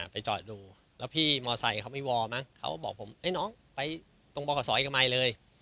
ไปจอดดูแล้วพี่มอไซค์เขามีวอร์ไหมเขาบอกผมไอ้น้องไปตรงบขเอกมัยเลย